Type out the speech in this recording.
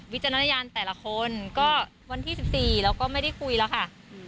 วันที่๑๔แล้วก็ไม่ได้คุยแล้วค่ะ